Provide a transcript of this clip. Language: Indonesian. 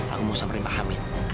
aku mau samberin pahamin